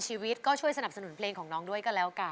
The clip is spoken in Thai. ชีวิตก็ช่วยสนับสนุนเพลงของน้องด้วยก็แล้วกัน